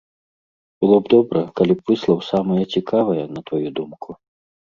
Было б добра, калі б выслаў самае цікавае, на тваю думку.